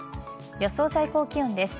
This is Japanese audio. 予想最高気温です。